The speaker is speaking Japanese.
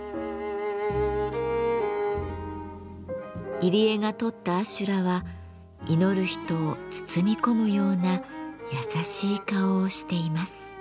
入江が撮った阿修羅は祈る人を包み込むような優しい顔をしています。